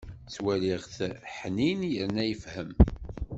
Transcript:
Ttwaliɣ-t ḥnin yerna yefhem.